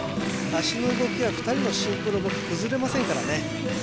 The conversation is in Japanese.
足の動きや２人のシンクロも崩れませんからね